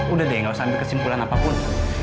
udah deh gak usah ambil kesimpulan apapun